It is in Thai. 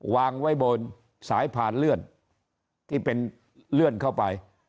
วางไว้บนสายผ่านเลื่อนที่เป็นเลื่อนเข้าไป